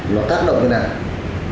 nó tác động như thế nào